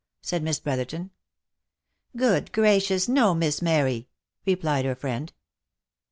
said Miss Bro therton. " Good gracious, no, Miss Mary," replied her friend.